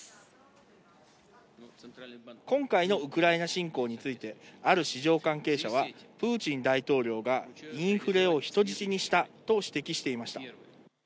今回のウクライナ侵攻について、ある市場関係者は、プーチン大統領がインフレを人質にしたと指摘していました。